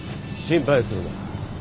心配するな。